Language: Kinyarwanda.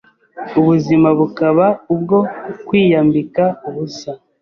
ubuzima bukaba ubwo kwiyambika ubusa